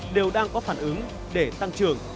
đều đang có phản ứng để tăng trưởng